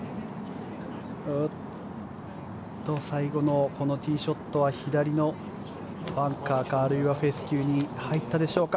最後のティーショットは左のバンカーかあるいはフェスキューに入ったでしょうか。